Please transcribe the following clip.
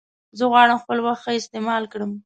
زه غواړم خپل وخت ښه استعمال کړم.